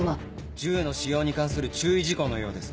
銃の使用に関する注意事項のようです。